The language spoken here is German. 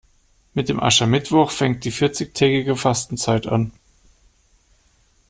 Mit dem Aschermittwoch fängt die vierzigtägige Fastenzeit an.